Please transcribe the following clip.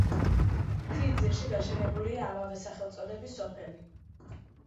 მთის ძირში გაშენებულია ამავე სახელწოდების სოფელი.